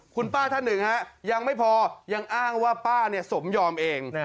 คุณป้าท่านหนึ่งฮะยังไม่พอยังอ้างว่าป้าสมยอมเอง